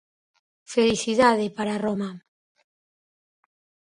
Felicidade para a Roma.